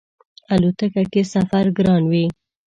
الوتکه کی سفر ګران وی